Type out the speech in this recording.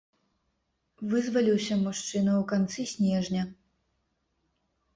Вызваліўся мужчына ў канцы снежня.